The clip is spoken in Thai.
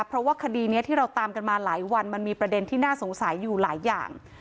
เพราะว่าคดีนี้ที่เราตามกันมาหลายวันมันมีประเด็นที่น่าสงสัยอยู่หลายอย่าง